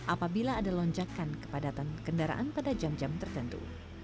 apabila ada lonjakan kepadatan kendaraan pada jam jam tertentu